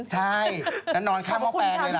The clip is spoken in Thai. ใช่นั้นนอนข้างหม้อแตงเลยละ